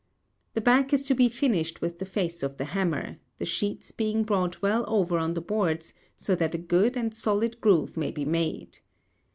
The back is to be finished with the face of the hammer, the sheets being brought well over on the boards so that a good and solid groove may be made.